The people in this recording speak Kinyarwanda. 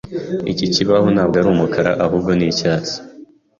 Iki kibaho ntabwo ari umukara, ahubwo ni icyatsi.